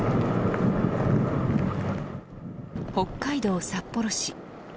北海道札幌市。